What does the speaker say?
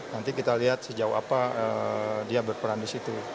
nanti kita lihat sejauh apa dia berperan di situ